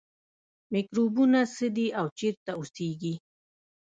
میکروبونه څه دي او چیرته اوسیږي